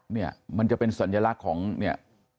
เนี่ยมันจะเป็นสัญลักษณ์ของเนี่ย